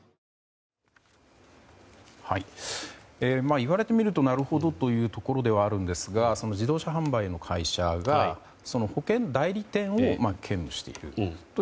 言われてみるとなるほどというところですがその自動車販売の会社が保険代理店を兼務している。